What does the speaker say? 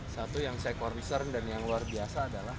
satu yang saya concern dan yang luar biasa adalah